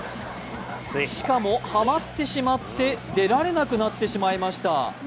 しかも、はまってしまって出られなくなってしまいました。